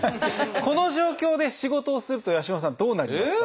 この状況で仕事をすると八嶋さんどうなりますか？